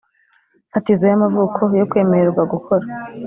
fatizo y amavuko yo kwemererwa gukora